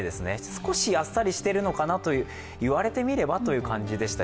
少しあっさりしてるのかなと、言われてみればという感じでした。